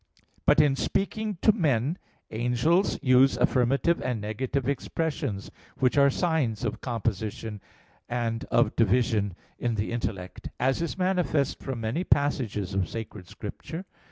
But in speaking to men, angels use affirmative and negative expressions, which are signs of composition and of division in the intellect; as is manifest from many passages of Sacred Scripture.